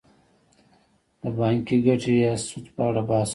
د بانکي ګټې یا سود په اړه بحث کوو